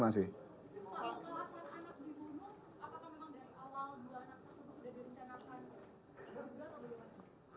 apakah memang dari awal dua ribu enam belas